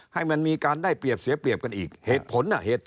ให้มันมีการได้เปรียบเสียเปรียบกันอีกเหตุผล